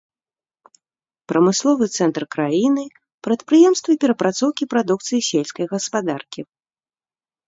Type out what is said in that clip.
Прамысловы цэнтр краіны, прадпрыемствы перапрацоўкі прадукцыі сельскай гаспадаркі.